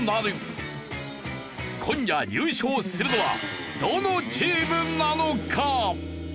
今夜優勝するのはどのチームなのか？